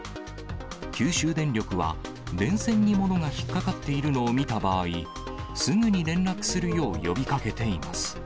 九州電力は、電線に物が引っ掛かっているのを見た場合、すぐに連絡するよう呼びかけています。